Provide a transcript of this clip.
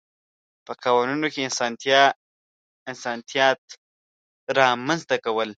په قوانینو کې اسانتیات رامنځته کول.